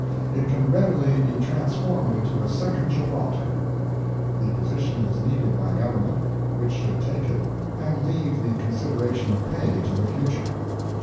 It can readily be transformed into a second Gibraltar. The position is needed by Government, which should take it, and leave the consideration of pay to the future.